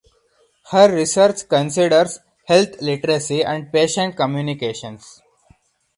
Her research considers health literacy and patient communications.